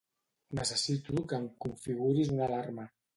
Necessito que em configuris una alarma.